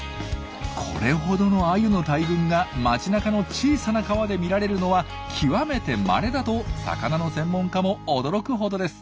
これほどのアユの大群が街なかの小さな川で見られるのは極めてまれだと魚の専門家も驚くほどです。